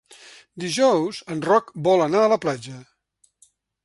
Dijous en Roc vol anar a la platja.